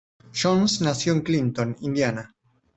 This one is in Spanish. Jones nació en Clinton, Indiana.